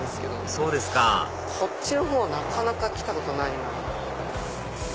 そうですかこっちのほうはなかなか来たことないな。